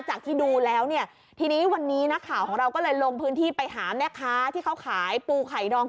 ที่ดูแล้วเนี่ยทีนี้วันนี้นักข่าวของเราก็เลยลงพื้นที่ไปหาแม่ค้าที่เขาขายปูไข่ดอง